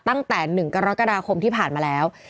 ตั้งแต่๑กรกฎาคมที่ผ่านมาแล้ว